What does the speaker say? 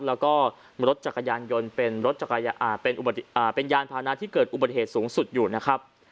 แล้วก็รถจักรยานยนต์เป็นรถเป็นยานพานะที่เกิดอุบัติเหตุสูงสุดอยู่นะครับ